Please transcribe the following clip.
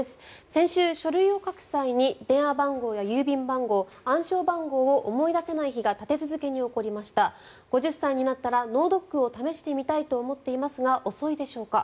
先週、書類を書く際に電話番号や郵便番号暗証番号を思い出せない日が立て続けに起こりました５０歳になったら脳ドックを試してみたいと思っていますが遅いでしょうか？